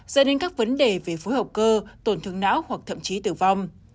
dẫn đến các vấn đề về phối hợp cơ tổn thương não hoặc thậm chí tử vong